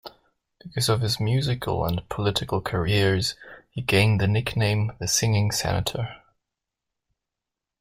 Because of his musical and political careers, he gained the nickname The Singing Senator.